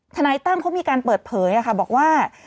นายตั้มเขามีการเปิดเผยบอกว่า